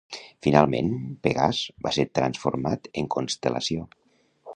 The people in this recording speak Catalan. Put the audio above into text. Finalment, Pegàs va ser transformat en constel·lació.